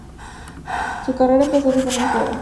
Su carrera empezó desde muy joven.